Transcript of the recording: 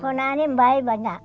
ponaan ini banyak